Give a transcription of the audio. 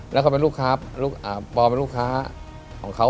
แล้วเขาเป็นลูกค้าปอเป็นลูกค้าของเขา